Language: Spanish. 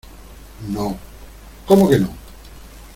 no. ¿ como que no?